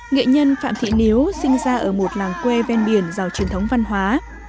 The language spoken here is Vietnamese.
nghệ nhân phạm thị niếu sinh ra ở một làng quê ven biển giàu truyền thống văn hóa